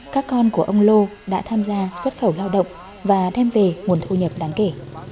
các con của ông lô đã tham gia xuất khẩu lao động và đem về nguồn thu nhập đáng kể